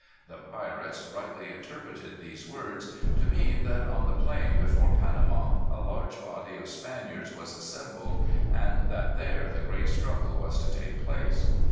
The pirates rightly interpreted these words to mean that on the plain before Panama a large body of Spaniards was assembled, and that there the great struggle was to take place.